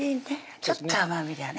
ちょっと甘みがね